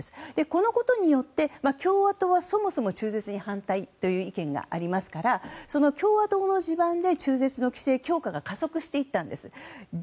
このことによって共和党はそもそも中絶に反対という意見がありますから共和党の地盤で中絶の規制強化が加速していったんです。